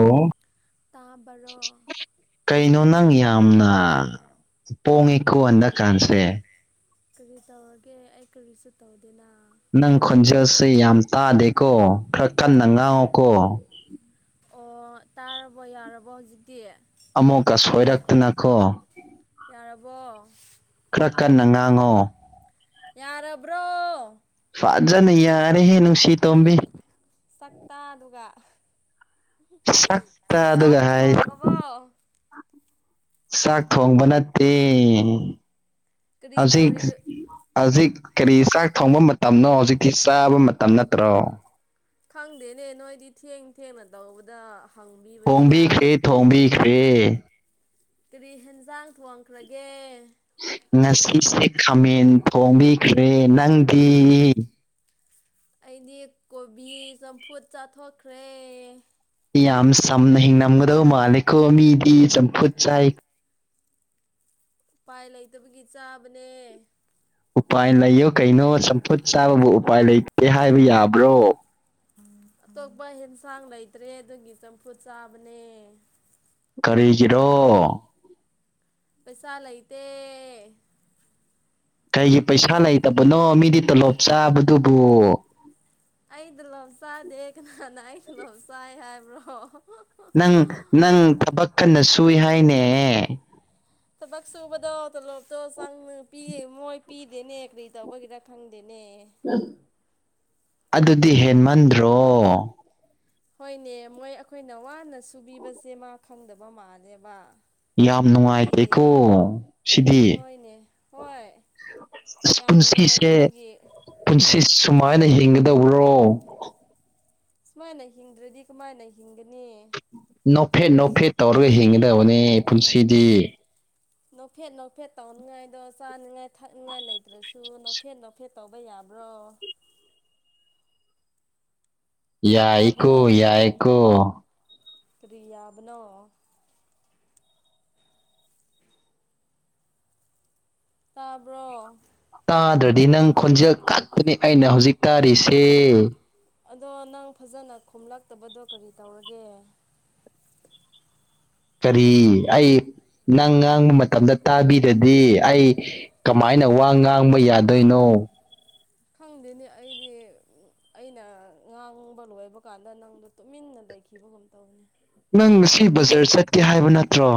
ꯎꯝ ꯇꯥꯕꯔꯣ ꯀꯩꯅꯣ ꯅꯪ ꯌꯥꯝꯅ ꯄꯣꯡꯉꯤꯀꯣ ꯍꯟꯗꯛꯀꯥꯟꯁꯦ ꯀꯔꯤ ꯇꯧꯔꯒꯦ ꯑꯩ ꯀꯔꯤꯁꯨ ꯇꯧꯗꯦꯅꯥ ꯅꯪ ꯈꯣꯟꯖꯦꯜꯁꯦ ꯌꯥꯝ ꯇꯥꯗꯦꯀꯣ ꯈꯔ ꯀꯟꯅ ꯉꯥꯡꯉꯣꯀꯣ ꯑꯣ ꯇꯥꯔꯕꯣ ꯌꯥꯔꯕꯣ ꯍꯧꯖꯤꯛꯀꯤ ꯑꯃꯨꯛꯀ ꯁꯣꯏ ꯔꯛꯇꯅꯀ‌ꯣ ꯌꯥꯔꯕꯣ ꯈꯔ ꯀꯟꯅ ꯉꯥꯡꯉꯣ ꯌꯥꯔꯕ꯭ꯔꯣ ꯐꯥꯖꯅ ꯌꯥꯔꯦꯍꯦ ꯅꯨꯡꯁꯤ ꯇꯣꯝꯕꯤ ꯁꯛꯇꯥꯗꯨꯒ ꯁꯛꯇ ꯆꯥꯛ ꯑꯗꯨꯒ ꯍꯥꯏ ꯊꯣꯡꯉꯕꯣ ꯆꯥꯛ ꯊꯣꯡꯕ ꯅꯠꯇꯦ ꯀꯔꯤ ꯍꯧꯖꯤꯛ ꯇꯧꯔꯤ ꯁ ꯍꯧꯖꯤꯛ ꯀꯔꯤ ꯆꯥꯛ ꯊꯣꯡꯕ ꯃꯇꯝꯅꯣ ꯍꯧꯖꯤꯛꯇꯤ ꯆꯥꯕ ꯃꯇꯝ ꯅꯠꯇ꯭ꯔꯣ ꯈꯪꯗꯦꯅꯦ ꯅꯣꯏꯗꯤ ꯊꯦꯡ ꯊꯦꯡꯅ ꯇꯧꯕꯗ ꯍꯪꯕꯤꯕꯅꯤꯗ ꯊꯥꯏꯌ‌ꯦ ꯀꯔꯤ ꯍꯦꯟꯖꯥꯡ ꯊꯣꯡꯈ꯭ꯔꯒꯦ ꯉꯁꯤꯁꯦ ꯈꯥꯃꯦꯟ ꯊꯣꯡꯕꯤꯈ꯭ꯔꯦ ꯅꯪꯒꯤ ꯑꯩꯗꯤ ꯀꯣꯕꯤ ꯆꯝꯐꯨꯠ ꯆꯥꯊꯣꯛꯈ꯭ꯔꯦ ꯌꯥꯝ ꯁꯝꯅ ꯍꯤꯡꯅꯝꯒꯗꯕ ꯃꯥꯂꯦꯀꯣ ꯃꯤꯗꯤ ꯆꯝꯐꯨꯠ ꯆꯥꯏ ꯄꯥꯏ ꯂꯩꯇꯕꯒꯤ ꯆꯥꯕꯅꯦ ꯎꯄꯥꯏ ꯂꯩꯌꯨ ꯀꯩꯅꯣ ꯆꯝꯐꯨꯠ ꯆꯥꯕꯕꯨ ꯎꯄꯥꯏ ꯂꯩꯇꯦ ꯍꯥꯏꯕ ꯌꯥꯕ꯭ꯔꯣ ꯑꯇꯣꯞꯄ ꯍꯦꯟꯁꯥꯡ ꯂꯩꯇ꯭ꯔꯦ ꯑꯗꯨꯒꯤ ꯆꯝꯐꯨꯠ ꯆꯥꯕꯅꯦ ꯀꯔꯤꯒꯤꯔꯣ ꯄꯩꯁꯥ ꯂꯩꯇꯦ ꯀꯩꯒꯤ ꯄꯩꯁꯥ ꯂꯩꯇꯕꯅꯣ ꯃꯤꯗꯤ ꯇꯣꯂꯣꯞ ꯆꯥꯕꯗꯨꯕꯨ ꯑꯩ ꯗ‌ꯣꯂꯣꯞ ꯆꯥꯗꯦ ꯀꯅꯥꯅ ꯑꯩꯩ ꯇ‌ꯣꯂꯣꯞ ꯆꯥꯏ ꯍꯥꯏꯕ꯭ꯔꯣ ꯅꯪ ꯅꯪ ꯊꯕꯛ ꯀꯟꯅ ꯁꯨꯏ ꯍꯥꯏꯅꯦ ꯊꯕꯛ ꯁꯨꯕꯗꯣ ꯇꯣꯂꯣꯞꯇꯣ ꯆꯪ ꯄꯤ ꯃꯣꯏ ꯄꯤꯗꯦꯅꯦ ꯀꯔꯤ ꯇꯧꯕꯒꯤꯔ ꯈꯪꯗꯦꯅꯦ ꯑꯗꯨꯗꯤ ꯍꯦꯟꯃꯟꯗ꯭ꯔꯣ ꯍꯣꯏꯅꯦ ꯃꯣꯏ ꯑꯩꯈꯣꯏꯅ ꯋꯥꯅ ꯁꯨꯕꯤꯕꯁꯦ ꯃꯥ ꯈꯪꯗꯕ ꯃꯥꯜꯂꯦꯕ ꯌꯥꯝ ꯅꯨꯡꯉꯥꯏꯇꯔꯦꯀꯣ ꯄꯤꯗꯦꯅꯦ ꯁꯤꯗꯤ ꯍꯣꯏꯅꯦ ꯍꯣꯏ ꯌꯥꯝ ꯄꯨꯟꯁꯤꯁꯦ ꯅꯨꯡꯉꯥꯏꯇꯕꯒꯤ ꯄꯨꯟꯁꯤ ꯎꯝ ꯁꯨꯃꯥꯏꯅ ꯍꯤꯡꯒꯗꯧꯕ꯭ꯔꯣ ꯁꯨꯃꯥꯏꯅ ꯍꯤꯡꯗ꯭ꯔꯗꯤ ꯀꯃꯥꯏꯅ ꯍꯤꯡꯒꯅꯤ ꯅꯣꯞꯐꯦꯠ ꯅꯣꯞꯐꯦꯠ ꯇꯧꯔꯒ ꯍꯤꯡꯒꯗꯕꯅꯦ ꯄꯨꯟꯁꯤꯗꯤ ꯅꯣꯐꯦꯠ ꯅꯣꯐꯦꯠ ꯇꯧꯅꯤꯡꯉꯥꯏꯗꯣ ꯆꯥꯅꯤꯡꯉꯥꯏ ꯊꯛꯅꯤꯡꯉꯥꯏ ꯂꯩꯇ꯭ꯔꯁꯨ ꯅꯣꯐꯦꯠ ꯅꯣꯐꯦꯠ ꯇꯧꯕ ꯌꯥꯕ꯭ꯔꯣ ꯌꯥꯏꯀꯣ ꯇꯥꯕ꯭ꯔꯣ ꯌꯥꯏꯀꯣ ꯀꯔꯤ ꯌꯥꯕꯅꯣ ꯇꯥꯕ꯭ꯔꯣ ꯇꯥꯗ꯭ꯔꯗꯤ ꯅꯪ ꯈꯣꯟꯖꯦꯜ ꯈꯛꯇꯅꯦ ꯑꯩꯅ ꯍꯧꯖꯤꯛ ꯇꯥꯔꯤꯁꯦ ꯑꯗꯣ ꯅꯪ ꯐꯖꯅ ꯈꯨꯝꯂꯛꯇꯕꯗꯣ ꯀꯔꯤ ꯇꯧꯔꯒꯦ ꯀꯔꯤ ꯑꯩ ꯅꯪ ꯉꯥꯡꯕ ꯃꯇꯝꯗ ꯇꯥꯕꯤꯔꯗꯤ ꯑꯩ ꯀꯃꯥꯏꯅ ꯋꯥ ꯉꯥꯡꯕ ꯌꯥꯗꯣꯏꯅꯣ ꯈꯪꯗꯦꯅꯦ ꯑꯩꯗꯤ ꯑꯩꯅ ꯉꯥꯡꯕ ꯂꯣꯏꯕ ꯀꯥꯟꯗ ꯅꯪꯗꯣ ꯇꯨꯃꯤꯟꯅ ꯂꯩꯈꯤꯕꯒꯨꯝ ꯇꯧꯕꯅꯦ ꯅꯪ ꯉꯁꯤ ꯕꯖꯥꯔ ꯆꯠꯀꯦ ꯍꯥꯏꯕ ꯅꯠꯇ꯭ꯔꯣ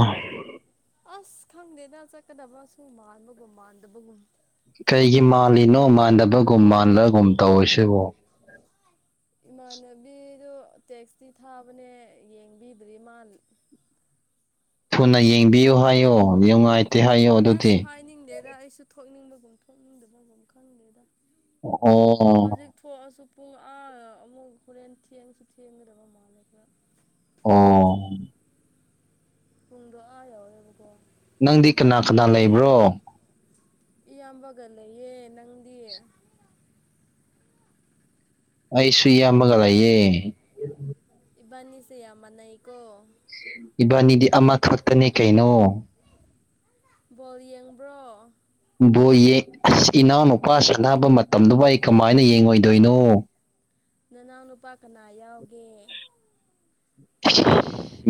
ꯑꯁ ꯈꯪꯗꯦꯗ ꯆꯠꯀꯗꯕꯁꯨ ꯃꯥꯟꯕꯒꯨꯝ ꯃꯥꯟꯗꯕꯒꯨꯝ ꯀꯩꯒꯤ ꯃꯥꯜꯂꯤꯅꯣ ꯃꯥꯟꯗꯕꯒꯨꯝ ꯃꯥꯟꯂꯒꯨꯝ ꯇꯧꯋꯤꯁꯤꯕꯨ ꯏꯃꯥꯟꯅꯕꯤꯗꯣ ꯇꯦꯛꯇꯤ ꯊꯥꯕꯅꯦ ꯌꯦꯡꯕꯤꯗ꯭ꯔꯤ ꯃꯥꯟ ꯊꯨꯅ ꯌꯦꯡꯕꯤꯌꯨ ꯍꯥꯏꯌꯣ ꯌꯨꯉꯥꯏ ꯑꯁ ꯍꯥꯏꯅꯤꯡꯗꯦꯗ ꯑꯩꯁꯨ ꯊꯣꯛꯅꯤꯡꯕꯒꯨꯝ ꯊꯣꯛꯅꯤꯡꯗꯕꯒꯨꯝ ꯈꯪꯗꯦꯗ ꯑꯣ ꯑꯣ ꯍꯧꯖꯤꯛ ꯊꯣꯛꯑꯁꯨ ꯄꯨꯡ ꯑꯥ ꯑꯃꯨꯛ ꯍꯣꯔꯦꯟ ꯊꯦꯡꯁꯨ ꯊꯦꯡꯒꯗꯕ ꯃꯥꯜꯂꯦꯗ ꯑꯣ ꯄꯨꯡꯗꯣ ꯑꯥ ꯌꯧꯔꯦꯕꯀꯣ ꯅꯪꯗꯤ ꯀꯅꯥ ꯀꯅꯥ ꯂꯩꯕ꯭ꯔꯣ ꯏꯌꯥꯝꯕꯒ ꯂꯩꯌꯦ ꯅꯪꯗꯤ ꯑꯩꯁꯨꯨ ꯏꯌꯥꯝꯕꯒ ꯂꯩꯌꯦ ꯏꯕꯥꯟꯅꯤꯁꯦ ꯌꯥꯝ ꯃꯥꯟꯅꯩꯀꯣ ꯏꯕꯥꯟꯅꯤꯗꯤ ꯑꯃꯈꯛꯇꯅꯦ ꯀꯩꯅꯣ ꯕꯣꯜ ꯌꯦꯡꯕ꯭ꯔꯣ ꯕꯣ ꯌꯦ ꯑꯁ ꯏꯅꯥꯎꯅꯨꯄꯥ ꯁꯥꯟꯅꯕ ꯃꯇꯝꯗꯨꯕꯨ ꯑꯩ ꯀꯃꯥꯏꯅ ꯌꯦꯡꯉꯣꯏꯗꯣꯏꯅꯣ ꯅꯅꯥꯎꯅꯨꯄꯥ ꯀꯅꯥ ꯌꯥꯎꯒꯦ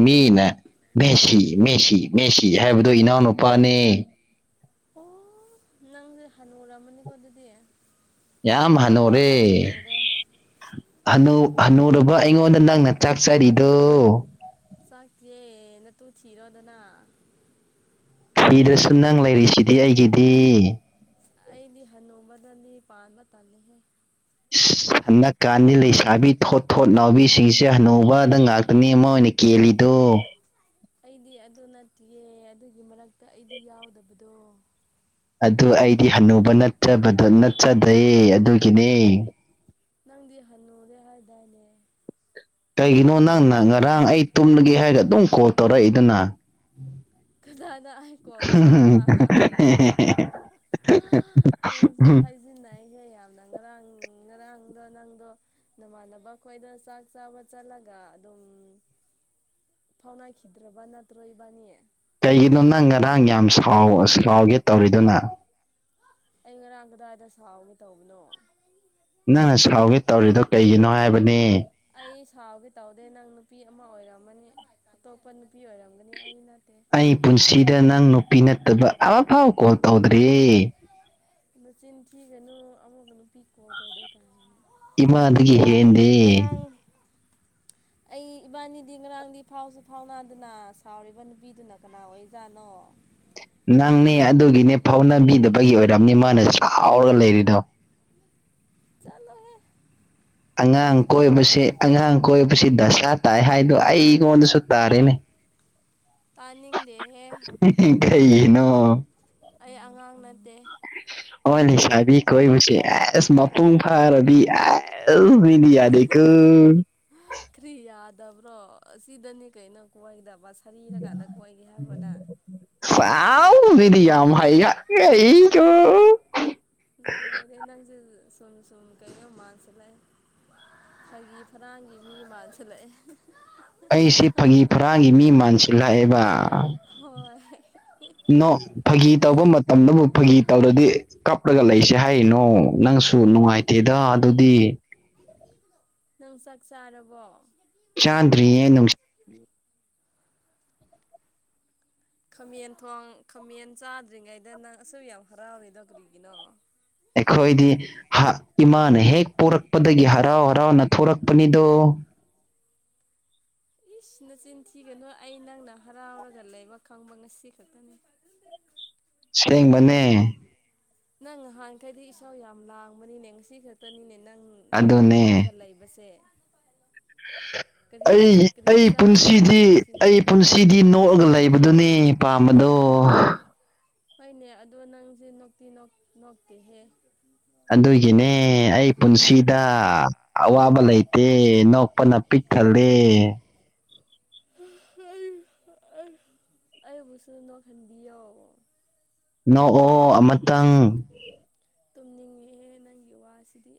ꯃꯤꯅ ꯃꯦꯁꯤ ꯃꯦꯁꯤ ꯃꯦꯁꯤ ꯍꯥꯏꯕꯗꯣ ꯏꯅꯥꯎꯅꯨꯄꯥꯅꯦ ꯑꯣ ꯅꯪꯖꯦ ꯍꯅꯨꯔꯝꯃꯅꯤꯀꯣ ꯑꯗꯨꯗꯤ ꯌꯥꯝ ꯅꯅꯥꯎꯅꯨꯄꯥ ꯐꯥꯎ ꯍꯟꯅꯨꯔꯦ ꯍꯅꯨꯨ ꯍꯅꯨꯔꯕ ꯑꯩꯉꯣꯟꯗ ꯅꯪꯅ ꯆꯥꯛꯆꯔꯤꯗꯣ ꯆꯥꯛꯇꯤꯌꯦ ꯅꯇꯨ ꯊꯤꯔꯣꯗꯅ ꯊꯤꯗ꯭ꯔꯁꯨꯨ ꯅꯪ ꯂꯩꯔꯤꯁꯤꯗꯤ ꯑꯩꯒꯤꯗꯤ ꯑꯩꯗꯤ ꯍꯅꯨꯕꯗꯗꯤ ꯄꯥꯟꯕ ꯇꯜꯂꯤꯍꯦ ꯏꯁ [inaudible] ꯍꯟꯗꯛꯀꯥꯟꯗꯤ ꯂꯩꯁꯥꯕꯤ ꯊꯣꯠ ꯊꯣꯠ ꯂꯥꯎꯕꯤꯁꯤꯡꯁꯦ ꯍꯅꯨꯕꯗ ꯉꯥꯛꯇꯅꯤ ꯃꯣꯏꯅ ꯀꯦꯜꯂꯤꯗꯣ ꯑꯩꯗꯤ ꯑꯗꯨ ꯅꯠꯇꯤꯌꯦ ꯑꯗꯨꯒꯤ ꯃꯔꯛꯇ ꯑꯩꯗꯤ ꯌꯥꯎꯗꯕꯗꯣ ꯑꯗꯨ ꯑꯩꯗꯤ ꯍꯟꯅꯨꯕ ꯅꯠꯆꯕꯗꯣ ꯅꯠꯆꯗ꯭ꯔꯦ ꯑꯗꯨꯒꯤꯅꯦ ꯅꯪꯗꯤ ꯍꯟꯅꯨꯨꯔꯦ ꯍꯥꯏꯗꯥꯏꯅꯦ ꯀꯩꯒꯤꯅꯣ ꯅꯪꯅ ꯉꯔꯥꯡ ꯑꯩ ꯇꯨꯝꯂꯒꯦ ꯍꯥꯏꯔꯒ ꯑꯗꯨꯝ ꯀꯣꯜ ꯇꯧꯔꯛꯏꯗꯨꯅ ꯀꯅꯥꯅ ꯑꯩ ꯀꯣꯜ [unintelligible] [unintelligible] ꯅꯪꯖꯨ ꯍꯥꯏꯖꯤꯟꯅꯩꯍꯦ ꯌꯥꯝꯅ ꯉꯔꯥꯡ ꯉꯔꯥꯡꯗꯣ ꯅꯪꯗꯣ ꯅꯃꯥꯟꯅꯕ ꯈꯣꯏꯗ ꯆꯥꯛ ꯆꯥꯕ ꯆꯠꯂꯒ ꯑꯗꯨꯝ ꯐꯥꯎꯅꯈꯤꯗ꯭ꯔꯕ ꯅꯠꯇ꯭ꯔꯣ ꯏꯕꯥꯅꯤ ꯀꯩꯒꯤꯅꯣ ꯅꯪ ꯉꯔꯥꯡ ꯌꯥꯝ ꯁꯥꯎ ꯁꯥꯎꯒꯦ ꯇꯧꯔꯤꯗꯨꯅ ꯑꯩ ꯉꯔꯥꯡ ꯀꯗꯥꯏꯗ ꯁꯥꯎꯒꯦ ꯇꯧꯕꯅꯣ ꯅꯪꯅ ꯁꯥꯎꯒꯦ ꯇꯧꯔꯤꯗꯣ ꯀꯩꯒꯤꯅꯣ ꯍꯥꯏꯕꯅꯦ ꯑꯩ ꯁꯥꯎꯒꯦ ꯇꯧꯗꯦ ꯅꯪ ꯅꯨꯄꯤ ꯑꯃ ꯑꯣꯏꯔꯝꯃꯅꯤ ꯑꯇꯣꯞꯄ ꯅꯨꯄꯤ ꯑꯣꯏꯔꯝꯒ ꯅꯤ ꯑꯩ ꯅꯠꯇꯦ ꯑꯩ ꯄꯨꯟꯁꯤꯗ ꯅꯪ ꯅꯨꯄꯤ ꯅꯠꯇꯕ ꯑꯃꯐꯥꯎ ꯀꯣꯜ ꯇꯧꯗ꯭ꯔꯤꯌꯦ [unintelligible] ꯅꯆꯤꯟ ꯊꯤꯒꯅꯨ ꯑꯋꯨꯕ ꯅꯨꯄꯤ ꯀꯣꯜ ꯇꯧꯗꯦ ꯀꯥꯏꯅ ꯏꯃꯥꯗꯒꯤ ꯉꯔꯥꯡꯅ ꯍꯦꯟꯗꯦ ꯉꯔꯥꯡ ꯑꯩ ꯏꯕꯥꯟꯅꯤꯗꯤ ꯉꯔꯥꯡꯗꯤ ꯐꯥꯎꯁꯨ ꯐꯥꯎꯅꯥꯗꯅ ꯁꯥꯎꯔꯤꯕ ꯅꯨꯄꯤꯗꯨꯅ ꯀꯅꯥ ꯑꯣꯏꯖꯥꯠꯅꯣ ꯅꯪꯅꯦ ꯑꯗꯨꯒꯤꯅꯦ ꯐꯥꯎꯅꯕꯤꯗꯕꯒꯤ ꯑꯣꯏꯔꯝꯅꯤ ꯃꯥꯅ ꯁꯥꯎꯔꯒ ꯂꯩꯔꯤꯗꯣ ꯆꯠꯂꯣꯍꯦ ꯑꯉꯥꯡ ꯀꯔꯤꯒꯤ ꯀꯣꯏꯕꯁꯦ ꯑꯉꯥꯡ ꯀꯣꯏꯕꯁꯤ ꯗꯁꯥ ꯇꯥꯏ ꯍꯥꯏꯗꯣ ꯑꯩꯉꯣꯟꯗꯁꯨ ꯇꯥꯔꯦꯅꯦ ꯇꯥꯅꯤꯡꯗꯦꯍꯦ ꯀꯩꯒꯤꯅꯣ ꯑꯩ ꯑꯉꯥꯡ ꯅꯠꯇꯦ ꯑꯣꯏ ꯂꯩꯁꯥꯕꯤ ꯀꯣꯏꯕꯁꯤ ꯑꯦꯁ ꯃꯄꯨꯡ ꯐꯥꯔꯕꯤ ꯑꯦꯁ ꯃꯤꯗꯤ ꯌꯥꯗꯦꯀꯣ ꯀ꯭ꯔꯤ ꯌꯥꯗꯕ꯭ꯔꯣ ꯑꯁꯤꯗꯅꯤ ꯀꯩꯅꯣ ꯀꯣꯏꯗꯕ ꯁꯥ ꯍꯔꯤꯔꯀꯥꯟꯗ ꯀꯣꯏꯒꯦ ꯍꯥꯏꯕ꯭ꯔꯣ ꯅꯪ ꯋꯥꯎ ꯃꯤꯗꯤ ꯌꯥꯝ ꯍꯩꯌꯦ [unintelligible] ꯂꯣꯏꯔꯦ ꯅꯪꯁꯦ ꯁꯨꯝ ꯁꯨꯝ ꯀꯩꯅꯣ ꯃꯥꯁꯤꯜꯂꯛꯑꯦ ꯐꯥꯒꯤ ꯐꯔꯥꯡꯒꯤ ꯃꯤ ꯃꯥꯜꯁꯤꯜꯂꯛꯑꯦ ꯑꯩꯁꯦ ꯐꯥꯒꯤ ꯐꯔꯥꯡꯒꯤ ꯃꯤ ꯃꯥꯟꯁꯤꯜꯂꯛꯑꯦꯕ ꯍꯣꯏ ꯅꯣ ꯐꯥꯒꯤ ꯇꯧꯕ ꯃꯇꯝꯗꯕꯨ ꯐꯥꯒꯤ ꯇꯧꯔꯗꯤ ꯀꯞꯂꯒ ꯂꯩꯁꯦ ꯍꯥꯏꯔꯤꯅꯣ ꯅꯪꯁꯨ ꯅꯨꯡꯉꯥꯏꯇꯦꯗ ꯑꯗꯨꯗꯤ ꯅꯪ ꯆꯥꯛ ꯆꯥꯔꯕꯣ ꯆꯥꯟꯗ꯭ꯔꯤ ꯌꯦ ꯅꯨꯡ [inaudible] ꯈꯥꯃꯦꯟ ꯊꯣꯡ ꯈꯥꯃꯦꯟ ꯆꯥꯗ꯭ꯔꯤꯉꯩꯗ ꯅꯪ ꯑꯁꯨꯛ ꯌꯥꯝ ꯍꯔꯥꯎꯔꯤꯗꯣ ꯀꯔꯤꯒꯤꯅꯣ ꯑꯩꯈꯣꯏꯗꯤ ꯍꯥ ꯏꯃꯥꯅ ꯍꯦꯛ ꯄꯣꯔꯛꯄꯗꯒꯤ ꯍꯔꯥꯎ ꯍꯔꯥꯎꯅ ꯊꯣꯔꯛꯄꯅꯤꯗꯣ ꯏꯁ ꯅꯆꯤꯟ ꯊꯤꯒꯅꯨ ꯑꯩ ꯅꯪꯅ ꯍꯔꯥꯎꯔꯒ ꯂꯩꯕ ꯈꯪꯕ ꯉꯁꯤ ꯈꯛꯇꯅꯤ ꯁꯦꯡꯕꯅꯦ ꯅꯪ ꯉꯍꯥꯟꯈꯩꯗꯤ ꯏꯁꯧ ꯌꯥꯝ ꯂꯥꯡꯕꯅꯤꯅꯦ ꯉꯁꯤ ꯈꯛꯇꯅꯤꯅꯦ ꯅꯪ ꯅꯍꯥꯟ ꯑꯗꯨꯅꯦ ꯅꯣꯛꯑꯒ ꯂꯩꯕꯁꯦ ꯑꯩꯒꯤ ꯀꯔꯤ ꯑꯩ ꯀꯔꯤ ꯄꯨꯟꯁꯤꯗꯤ ꯆꯥꯕꯤꯕꯒꯤꯔꯣ ꯁꯤꯅꯤ ꯑꯩ ꯄꯨꯟꯁꯤꯗꯤ ꯅꯣꯛꯑꯒ ꯂꯩꯕꯗꯨꯅꯦ ꯄꯥꯝꯕꯗꯣ꯫ ꯍꯣꯏꯅꯦ ꯑꯗꯣ ꯅꯪꯖꯦ ꯅꯣꯛꯇꯤ ꯅꯣꯛ ꯅꯣꯛꯇꯦꯍꯦ꯫ ꯑꯗꯨꯒꯤꯅꯦ ꯑꯩ ꯄꯨꯟꯁꯤꯗ ꯑꯋꯥꯕ ꯂꯩꯇꯦ ꯅꯣꯛꯄꯅ ꯄꯤꯛ ꯊꯜꯂꯦ꯫ ꯑꯩꯕꯨꯁꯨ ꯅꯣꯛꯍꯟꯕꯤꯌꯣ꯫ ꯅꯣꯛꯑꯣ ꯑꯃꯇꯪ ꯇꯨꯝꯅꯤꯡꯉꯍꯦ ꯅꯪꯒꯤ ꯋꯥꯁꯤꯗꯤ꯫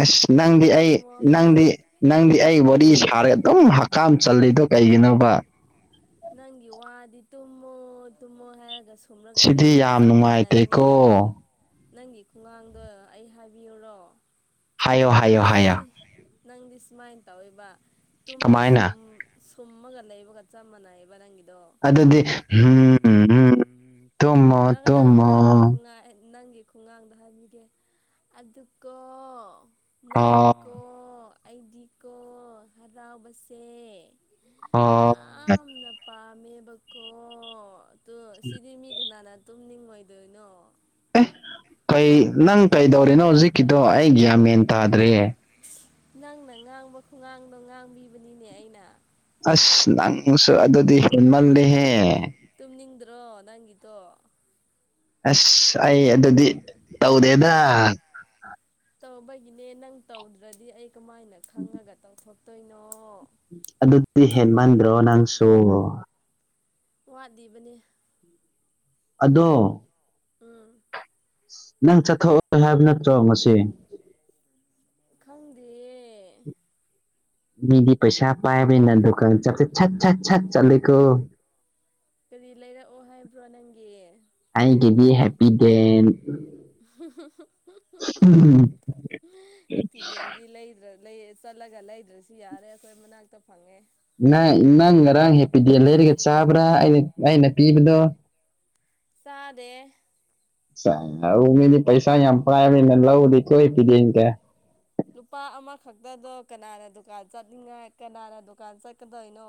ꯑꯁ ꯅꯪꯗꯤ ꯇꯨꯝꯃꯣ ꯑꯩ ꯇꯨꯝꯃꯣ ꯍꯥꯏ ꯅꯪꯗꯤ ꯅꯪꯗꯤ ꯑꯩ ꯋꯥꯔꯤ ꯁꯥꯔꯦ ꯑꯗꯨꯝ ꯍꯀꯥꯝ ꯆꯜꯂꯤꯗꯣ ꯀꯩꯒꯤꯅꯣꯕ? ꯅꯪꯒꯤ ꯋꯥꯗꯤ ꯇꯨꯝꯃꯣ ꯇꯨꯝꯃꯣ ꯍꯥꯏꯔꯒꯁꯨ ꯇꯨꯝꯂꯒ ꯁꯤꯗꯤ ꯂꯩꯕꯒ ꯌꯥꯝ ꯆꯞ ꯃꯥꯟꯅꯩꯅꯦ꯫ ꯅꯨꯡꯉꯥꯏꯇꯦꯀꯣ ꯅꯪꯒꯤ ꯈꯨꯡꯉꯥꯡꯗꯣ ꯑꯩ ꯍꯥꯏꯕꯤꯌꯨꯔꯣ꯫ ꯍꯥꯏꯌꯣ ꯍꯥꯏꯌꯣ ꯑꯁ ꯍꯥꯏꯌꯣ ꯁꯤ ꯅꯪꯗꯤ ꯁꯨꯃꯥꯏꯅ ꯇꯧꯋꯦꯕ ꯇꯨꯝꯕ ꯁꯨꯝ ꯀꯃꯥꯏꯅ ꯁꯨꯝꯃꯒ ꯂꯩꯕꯒ ꯆꯞ ꯃꯥꯟꯅꯩꯑꯦꯕ ꯅꯪꯒꯤꯗꯣ꯫ ꯑꯗꯨꯗꯤ ꯍꯨꯝ ꯍꯨꯝ ꯍꯨꯝ ꯇꯨꯝꯃꯣ ꯇꯧꯔꯛꯀꯅꯨ ꯇꯨꯝꯃꯣ ꯅꯪꯒꯤ ꯈꯨꯨꯉꯥꯡ ꯑꯦ ꯅꯪꯒꯤ ꯈꯨꯉꯥꯡꯗꯣ ꯍꯥꯏꯕꯤꯒꯦ ꯑꯗꯨꯀꯣ ꯍꯣ ꯅꯪ ꯀꯣ ꯑꯩꯗꯤ ꯀꯣ ꯍꯔꯥꯎꯕꯁꯦ꯫ ꯑꯣ ꯌꯥꯝꯅ ꯄꯥꯝꯃꯦꯕꯀꯣ ꯑꯇꯨ ꯁꯤꯗꯤꯃꯤ ꯅꯅꯥ ꯇꯨꯝꯅꯤꯡꯉꯣꯏꯗꯣꯏꯅꯣ꯫ ꯑꯦ ꯀꯩ ꯅꯪ ꯀꯩꯗꯧꯔꯤꯅꯣ ꯍꯧꯖꯤꯛꯀꯤꯗꯣ ꯑꯩ ꯒ꯭ꯌꯥꯟ ꯃꯦꯟ ꯇꯥꯗ꯭ꯔꯦ꯫ ꯅꯪꯅ ꯉꯥꯡꯕ ꯈꯨꯉꯥꯡꯗꯣ ꯉꯥꯡꯕꯤꯕꯅꯤꯅꯦ ꯑꯩꯅ꯫ ꯑꯁ ꯅꯪꯁꯨ ꯑꯗꯨꯗꯤ ꯍꯦꯃꯜꯂꯦꯍꯦ꯫ ꯇꯨꯝꯅꯤꯡꯗ꯭ꯔꯣ ꯅꯪꯒꯤꯗꯣ꯫ ꯑꯁ ꯑꯩ ꯑꯗꯨꯗꯤ ꯇꯧꯗꯦꯗ꯫ ꯇꯧꯕꯒꯤꯅꯦ ꯅꯪ ꯇꯧꯗ꯭ꯔꯗꯤ ꯑꯩ ꯀꯃꯥꯏꯅ ꯈꯪꯉꯒ ꯇꯧꯊꯣꯛꯇꯣꯏꯅꯣ꯫ ꯑꯗꯨꯗꯤ ꯍꯦꯟ ꯃꯥꯟꯗ꯭ꯔꯣ ꯅꯪꯁꯨ꯫ ꯋꯥꯠꯂꯤꯕꯅꯦ꯫ ꯑꯗꯣ ꯎꯝ ꯅꯪ ꯆꯠꯊꯣꯛꯑꯒꯦ ꯍꯥꯏꯕ ꯅꯠꯇ꯭ꯔꯣ ꯉꯁꯤ꯫ ꯈꯪꯗꯤꯌꯦ꯫ ꯃꯤꯗꯤ ꯄꯩꯁꯥ ꯄꯥꯏꯕꯅꯤꯅ ꯗꯨꯀꯥꯟ ꯆꯠꯄꯖꯦ ꯁꯠ ꯁꯠ ꯁꯠ ꯆꯠꯂꯤꯀꯣ꯫ ꯀꯔꯤ ꯂꯩꯔꯛꯑꯣ ꯍꯥꯏꯕ꯭ꯔꯣ ꯅꯪꯒꯤ꯫ ꯑꯩꯒꯤꯗꯤ ꯍꯦꯄꯤꯗꯦꯟ꯫ ꯍꯦꯄꯤꯗꯦꯟꯗꯤ ꯂꯩꯗ꯭ꯔ ꯂꯩꯔꯦ ꯆꯠꯂꯒ ꯂꯩꯗ꯭ꯔꯁꯨ ꯌꯥꯔꯦ ꯑꯩꯈꯣꯏ ꯃꯅꯥꯛꯇ ꯐꯪꯉꯦ꯫ ꯅꯪ ꯅꯪ ꯉꯔꯥꯡ ꯍꯦꯄꯤꯗꯦꯟ ꯂꯩꯔꯒ ꯆꯥꯕ꯭ꯔꯥ ꯑꯩꯅ ꯑꯩꯅ ꯄꯤꯕꯗꯣ꯫ ꯆꯥꯗꯦ [unintelligible] ꯃꯤꯗꯤ ꯄꯩꯁꯥ ꯌꯥꯝ ꯄꯥꯏꯕꯅꯤ ꯂꯧ ꯀꯣꯏ ꯄꯤꯗꯤꯡꯗꯦ꯫ ꯂꯨꯄꯥ ꯑꯃꯈꯛꯇꯗꯣ ꯀꯅꯥꯅ ꯗꯨꯀꯥꯟ ꯆꯠꯅꯤꯡꯉꯥꯏ ꯀꯅꯥꯅ ꯗꯨꯀꯥꯟ ꯆꯠꯀꯗꯣꯏꯅꯣ꯫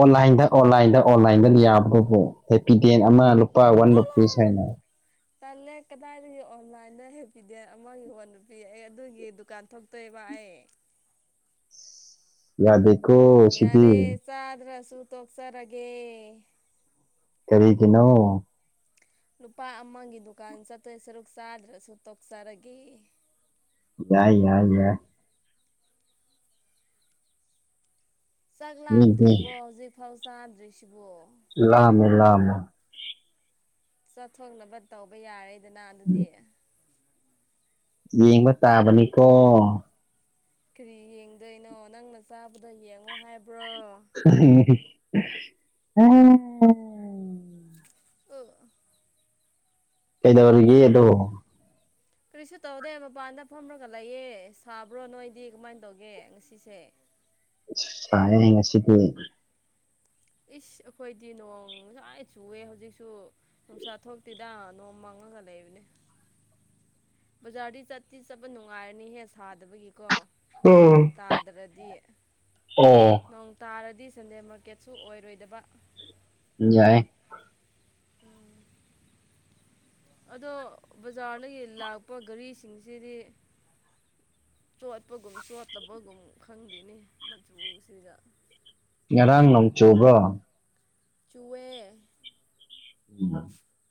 ꯑꯣꯟꯂꯥꯏꯟꯗ ꯑꯣꯟꯂꯥꯏꯟꯗ ꯑꯣꯟꯂꯥꯏꯟꯗ ꯌꯥꯕꯗꯨꯕꯨ ꯍꯦꯄꯤꯗꯦꯟ ꯑꯃ ꯂꯨꯄꯥ ꯋꯥꯟ ꯆꯠꯂꯣ ꯔꯨꯄꯤꯁ ꯍꯥꯏꯅ꯫ [inaudible] ꯇꯜꯂꯦ ꯀꯗꯥꯏꯗꯒꯤ ꯑꯣꯟꯂꯥꯏꯟꯗ ꯍꯦꯄꯤꯗꯦꯟ ꯑꯃ ꯌꯣꯟꯕ ꯄꯤ ꯑꯩ ꯑꯗꯨꯒꯤ ꯗꯨꯀꯥꯟ ꯊꯣꯛꯇꯣꯏꯕ ꯑꯩ꯫ ꯌꯥꯗꯦꯀꯣ ꯁꯤꯗꯤ ꯌꯥꯔꯦ ꯆꯥꯗ꯭ꯔꯁꯨ ꯇꯣꯛꯆꯔꯒꯦ ꯀꯔꯤꯒꯤꯅꯣ ꯂꯨꯄꯥ ꯑꯃꯒꯤ ꯗꯨꯀꯥꯟ ꯆꯠꯇꯣꯏ ꯁꯔꯨꯛ ꯆꯥꯗ꯭ꯔꯁꯨ ꯇꯣꯛꯆꯔꯒꯦ ꯌꯥꯏ ꯌꯥꯏ ꯌꯥꯏ ꯆꯥꯛ ꯃꯤꯗꯤ ꯂꯥꯝꯗ꯭ꯔꯤꯕꯣ ꯍꯧꯖꯤꯛꯐꯥꯎ ꯆꯥꯗ꯭ꯔꯤꯁꯤꯕꯨ ꯂꯥꯝꯃꯦ ꯂꯥꯝꯃꯦ ꯆꯠꯊꯣꯛꯅꯕ ꯇꯧꯕ ꯌꯥꯔꯦꯗꯅ ꯑꯗꯨꯗꯤ ꯌꯦꯡꯕ ꯇꯥꯕꯅꯤꯀꯣ ꯀꯔꯤ ꯌꯦꯡꯗꯣꯏꯅꯣ ꯅꯪꯅ ꯆꯥꯕꯗꯣ ꯌꯦꯡꯉꯣ ꯍꯥꯏꯕ꯭ꯔꯣ [unintelligible] ꯑꯛ ꯑꯥ ꯀꯩꯗꯧꯔꯒꯦ ꯑꯗꯣ ꯀꯔꯤꯁꯨ ꯇꯧꯗꯦ ꯃꯄꯥꯟꯗ ꯐꯝꯔꯒ ꯂꯩꯌꯦ ꯁꯥꯕ꯭ꯔꯣ ꯅꯣꯏꯗꯤ ꯀꯃꯥꯏꯅ ꯇꯧꯒꯦ ꯉꯁꯤꯁꯦ ꯁꯥꯏꯌꯦ ꯉꯁꯤꯗꯤ ꯏꯁ ꯑꯩꯈꯣꯏꯗꯤ ꯅꯣꯡ ꯉꯁꯥꯏ ꯆꯨꯑꯦ ꯍꯧꯖꯤꯛꯁꯨ ꯅꯨꯡꯁꯥ ꯊꯣꯛꯇꯦ ꯇꯥ ꯅꯣꯡ ꯃꯪꯉꯒ ꯂꯩꯕꯅꯦ ꯕꯖꯥꯔꯗꯤ ꯆꯠꯇꯤ ꯆꯠꯄ ꯅꯨꯡꯉꯥꯏꯔꯅꯤꯍꯦ ꯁꯥꯗꯕꯒꯤꯀꯣ ꯅꯣꯡ ꯇꯥꯗ꯭ꯔꯗꯤ ꯑꯣ ꯅꯣꯡ ꯇꯥꯔꯗꯤ ꯁꯟꯗꯦ ꯃꯥꯔꯀꯦꯠꯁꯨ ꯑꯣꯏꯔꯣꯏꯗꯕ ꯌꯥꯏꯌꯦ ꯑꯗꯣ ꯕꯖꯥꯔꯗꯒꯤ ꯂꯥꯛꯄ ꯒꯥꯔꯤꯁꯤꯡꯁꯤꯗꯤ ꯆꯣꯠꯄꯒꯨꯝ ꯆꯣꯠꯇꯕꯒꯨꯝ ꯈꯪꯗꯦꯅꯦ ꯃꯆꯨꯁꯤꯗ ꯉꯔꯥꯡ ꯅꯣꯡ ꯆꯨꯕ꯭ꯔꯣ ꯆꯨꯋꯦ ꯎꯝꯝ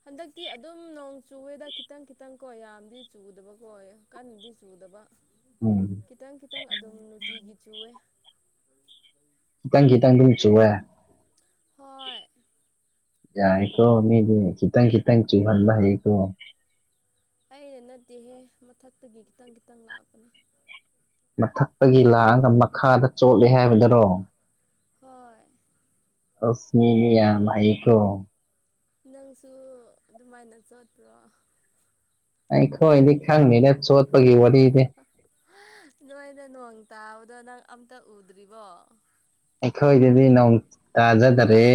ꯍꯟꯗꯛꯇꯤ ꯑꯗꯨꯝ ꯅꯣꯡ ꯆꯨꯋꯦꯗ ꯈꯤꯇꯪ ꯈꯤꯇꯪ ꯀꯣ ꯌꯥꯝꯗꯤ ꯆꯨꯗꯕꯀꯣ ꯀꯟꯅꯗꯤ ꯆꯨꯗꯕ ꯎꯝ ꯈꯤꯇꯪ ꯈꯤꯇꯪ ꯑꯗꯨꯝ ꯅꯨꯡꯇꯤꯒꯤ ꯆꯨꯋꯦ ꯈꯤꯇꯪ ꯈꯤꯇꯪ ꯑꯗꯨꯝ ꯆꯨꯋꯦ ꯍꯣꯏ ꯌꯥꯏꯀꯣ ꯃꯤꯗꯤ ꯈꯤꯇꯪ ꯈꯤꯇꯪ ꯆꯨꯍꯟꯕ ꯍꯩꯀꯣ ꯑꯩꯅ ꯅꯠꯇꯦꯍꯦ ꯃꯊꯛꯇꯒꯤ ꯈꯤꯇꯪ ꯈꯤꯇꯪ ꯂꯥꯛꯄꯅꯦ ꯃꯊꯛꯇꯒꯤ ꯂꯥꯛꯑꯒ ꯃꯈꯥꯗ ꯆꯣꯠꯂꯦ ꯍꯥꯏꯕꯗꯨꯔꯣ ꯍꯣꯏ ꯑꯣꯁ ꯃꯤꯗꯤ ꯌꯥꯝ ꯍꯩꯀꯣ ꯅꯪꯁꯨ ꯑꯗꯨꯃꯥꯏꯅ ꯆꯣꯠꯄ꯭ꯔꯣ ꯑꯩꯈꯣꯏꯗꯤ ꯈꯪꯗꯦꯗ ꯆꯣꯠꯄꯒꯤ ꯋꯥꯔꯤꯗꯤ ꯍꯥ ꯅꯣꯏ ꯅꯣꯡ ꯇꯥꯕꯗꯣ ꯅꯪ ꯑꯝꯇ ꯎꯗ꯭ꯔꯤꯕꯣ ꯑꯩꯈꯣꯏꯗꯗꯤ ꯅꯣꯡ ꯇꯥꯖꯗꯔꯦ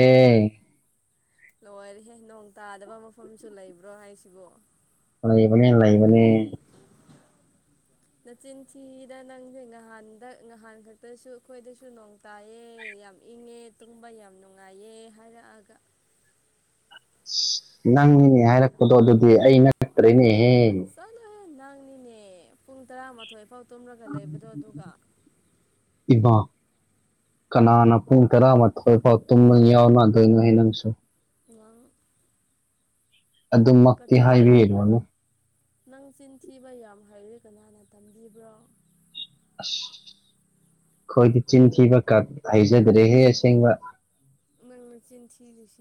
ꯂꯣꯏꯔꯦꯍꯦ ꯅꯣꯡ ꯇꯥꯗꯕ ꯃꯐꯝꯁꯨ ꯂꯩꯕ꯭ꯔꯣ ꯍꯥꯏꯁꯤꯕ ꯂꯩꯕꯅꯦ ꯂꯩꯕꯅꯦ [inaudible] ꯅꯆꯤꯟ ꯊꯤꯗ ꯅꯪꯁꯦ ꯉꯍꯥꯟꯗ ꯉꯍꯥꯟ ꯈꯛꯇꯁꯨ ꯑꯩꯈꯣꯏꯗꯁꯨ ꯅꯣꯡ ꯇꯥꯏꯌꯦ ꯌꯥꯝ ꯏꯪꯉꯦ ꯇꯨꯡꯕ ꯌꯥꯝ ꯅꯨꯡꯉꯥꯏꯌꯦ ꯍꯥꯏꯔꯛꯑꯒ ꯅꯪꯅꯤꯅꯦ ꯍꯥꯏꯔꯛꯄꯗꯣ ꯑꯗꯨꯗꯤ ꯑꯩ ꯅꯠꯇ꯭ꯔꯦꯅꯦꯍꯦ ꯆꯠꯂꯣꯍꯦ ꯅꯪꯅꯤꯅꯦ ꯄꯨꯡ ꯇꯔꯥꯃꯥꯊꯣꯏꯐꯥꯎ ꯇꯨꯝꯔꯒ ꯂꯩꯕꯗꯣ ꯑꯗꯨꯒ ꯏꯕꯥ ꯀꯅꯥꯅ ꯄꯨꯡ ꯇꯔꯥꯃꯥꯊꯣꯏ ꯄꯥꯎ ꯇꯨꯝꯕ ꯌꯥꯎꯅꯗꯣꯏꯅꯣꯍꯦ ꯅꯪꯁꯨ ꯅꯪ ꯑꯗꯨꯃꯛꯇꯤ ꯀꯅꯥ ꯍꯥꯏꯕꯤꯔꯨꯅꯨ ꯅꯪ ꯆꯤꯟ ꯊꯤꯕ ꯌꯥꯝ ꯍꯩꯔꯦ ꯀꯅꯥꯅ ꯇꯝꯕꯤꯕ꯭ꯔꯣ ꯑꯁ ꯈꯣꯏꯗꯤ ꯆꯤꯟ ꯊꯤꯕ ꯀꯥꯛ ꯍꯩꯖꯗ꯭ꯔꯦꯍꯦ ꯑꯁꯦꯡꯕ ꯅꯪ ꯅꯆꯤꯟ ꯊꯤꯔꯤꯁꯤ